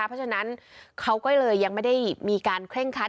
เพราะฉะนั้นเขาก็เลยยังไม่ได้มีการเคร่งคัด